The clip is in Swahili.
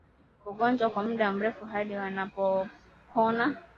ugonjwa kwa muda mrefu hadi wanapopona